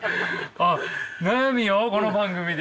あっ悩みをこの番組で？